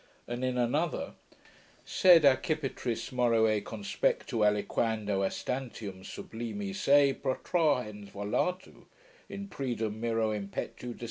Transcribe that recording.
] and, in another, sed accipitris more e conspectu aliquando astantium sublimi se protrahens volatu, in praedam miro impetu descendebat.